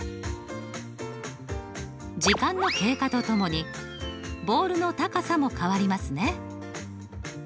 時間の経過とともにボールの高さも変わりますね。